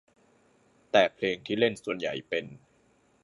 แต่เพลงที่เล่นส่วนใหญ่เป็น